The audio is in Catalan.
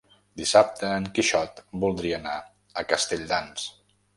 Dissabte en Quixot voldria anar a Castelldans.